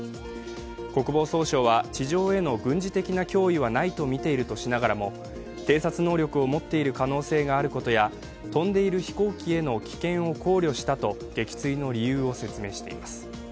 国防総省は地上への軍事的な脅威はないとみているとしながらも偵察能力を持っている可能性があることや飛んでいる飛行機への危険を考慮したと撃墜の理由を説明しています。